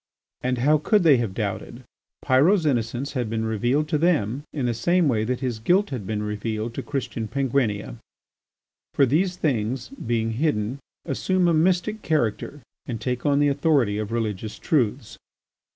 And how could they have doubted? Pyrot's innocence had been revealed to them in the same way that his guilt had been revealed to Christian Penguinia's; for these things, being hidden, assume a mystic character and take on the authority of religious truths.